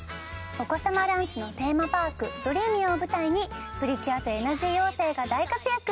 お子さまランチのテーマパークドリーミアを舞台にプリキュアとエナジー妖精が大活躍！